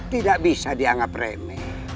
tidak bisa dianggap remeh